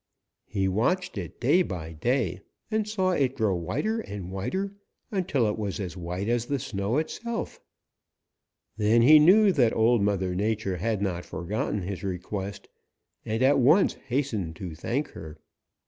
He watched it day by day and saw it grow whiter and whiter until it was as white as the snow itself. Then he knew that Old Mother Nature had not forgotten his request and at once hastened to thank her.